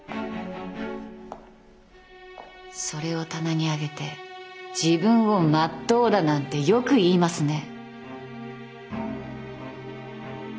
それを棚に上げて自分をまっとうだなんてよく言いますね。